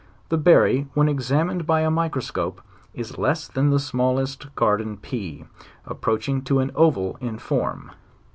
The berry when examined by a microscope, is less than the smallest garden pea, approaching to an oval in form.